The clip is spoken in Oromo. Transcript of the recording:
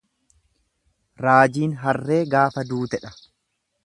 Raajiin harree gaafa duutedha.